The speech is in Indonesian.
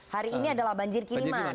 hari ini adalah banjir kiriman